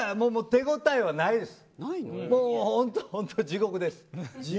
手応えはないです。